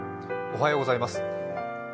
おはようございます。